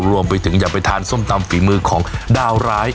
รวมไปถึงอย่าไปทานส้มตำฝีมือของดาวร้าย